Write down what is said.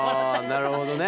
なるほどね。